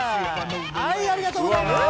ありがとうございます。